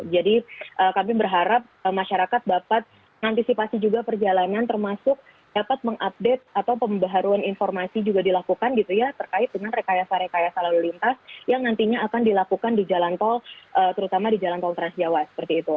jadi kami berharap masyarakat dapat mengantisipasi juga perjalanan termasuk dapat mengupdate atau pembaharuan informasi juga dilakukan gitu ya terkait dengan rekayasa rekayasa lalu lintas yang nantinya akan dilakukan di jalan tol terutama di jalan tol transjawa seperti itu